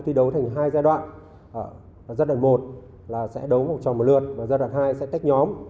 thi đấu thành hai giai đoạn giai đoạn một là sẽ đấu một trò một lượt và giai đoạn hai sẽ tách nhóm